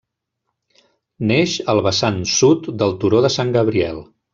Neix al vessant sud del turó de Sant Gabriel.